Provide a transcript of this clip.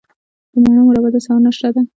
د مڼو مربا د سهار ناشته ده.